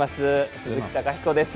鈴木貴彦です。